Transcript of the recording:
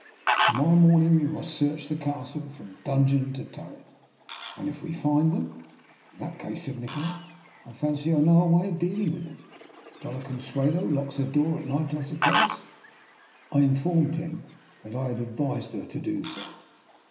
To morrow morning we must search the Cas tle from dungeon to turret." " And if we find them? "" In that case," said Nikola, " I fancy I know a way of dealing with them. Dofia Consuelo locks her door at night, I suppose? " I informed him that I had advised her to do so.